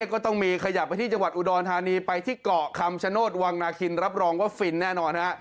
ก็ต้องมีขยับไปที่จังหวัดอุดรธานีไปที่เกาะคำชโนธวังนาคินรับรองว่าฟินแน่นอนฮะ